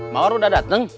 mawar udah dateng